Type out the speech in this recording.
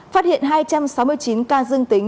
phát hiện hai trăm sáu mươi chín ca dương tính